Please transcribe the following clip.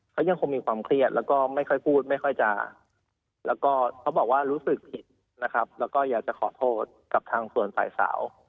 เขายังคงมีความเครียดแล้วก็ไม่ค่อยพูดไม่ค่อยจะแล้วก็เขาบอกว่ารู้สึกผิดนะครับแล้วก็อยากจะขอโทษกับทางส่วนฝ่ายสาว